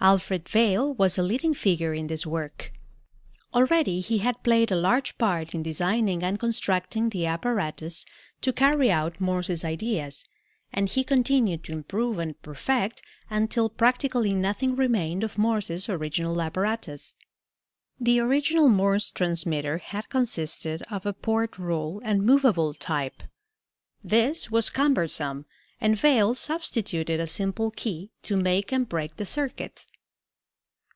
Alfred Vail was a leading figure in this work. Already he had played a large part in designing and constructing the apparatus to carry out Morse's ideas, and he continued to improve and perfect until practically nothing remained of Morse's original apparatus. The original Morse transmitter had consisted of a porte rule and movable type. This was cumbersome, and Vail substituted a simple key to make and break the circuit.